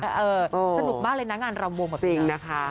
สนุกมากเลยนะงานลำวง